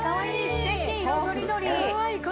すてき色とりどり。